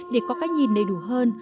để có cách nhìn đầy đủ hơn